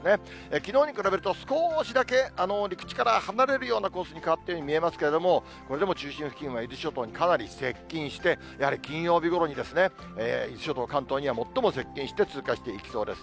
きのうに比べると少しだけ陸地から離れるコースに変わったように見えますけれども、これでも中心付近は伊豆諸島にかなり接近して、やはり金曜日ごろに伊豆諸島、関東に最も接近して通過していきそうです。